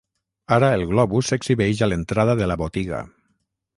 Ara el globus s'exhibeix a l'entrada de la botiga.